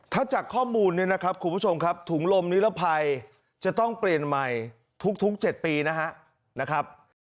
ถ้าจากข้อมูลเนี่ยนะครับคุณผู้ชมครับถุงลมนิรภัยจะต้องเปลี่ยนใหม่ทุก๗ปีนะครับ